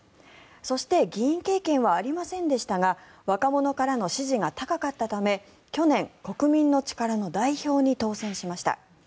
そして、議員経験はありませんでしたが若者からの支持が高かったため去年、国民の力の代表に当選しました。